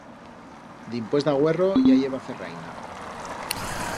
Dimpués d'agüerro ya i heba ferraina.